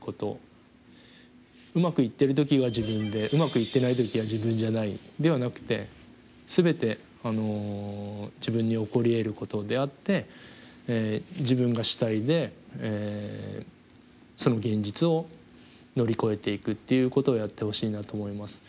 うまくいってる時は自分でうまくいってない時は自分じゃないではなくて全て自分に起こりえることであって自分が主体でその現実を乗り越えていくっていうことをやってほしいなと思います。